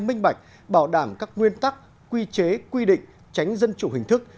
minh bạch bảo đảm các nguyên tắc quy chế quy định tránh dân chủ hình thức